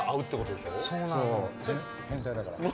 そう変態だから。